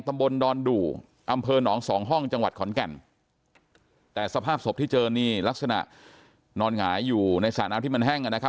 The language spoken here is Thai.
ตำบลดอนดู่อำเภอหนองสองห้องจังหวัดขอนแก่นแต่สภาพศพที่เจอนี่ลักษณะนอนหงายอยู่ในสระน้ำที่มันแห้งอ่ะนะครับ